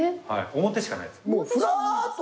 表しかないです。